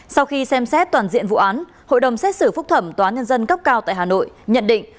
sau khi xem xét toàn diện vụ án hội đồng xét xử phúc thẩm tòa nhân dân cấp cao tại hà nội nhận định